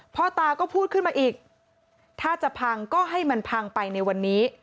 พ่อตาก็พูดขึ้นมาอีกถ้าจะพังก็ให้มันพังไปในวันนี้